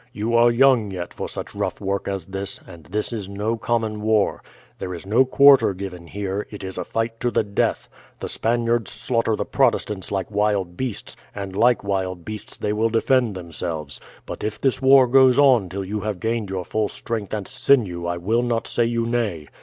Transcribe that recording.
"You are young yet for such rough work as this, and this is no common war. There is no quarter given here, it is a fight to the death. The Spaniards slaughter the Protestants like wild beasts, and like wild beasts they will defend themselves. But if this war goes on till you have gained your full strength and sinew I will not say you nay.